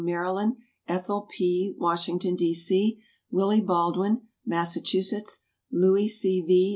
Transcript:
Maryland; Ethel P., Washington, D. C.; Willie Baldwin, Massachusetts; Louis C. V.